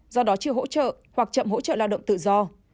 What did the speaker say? do đó chưa hỗ trợ hoặc chậm hỗ trợ lao động tự do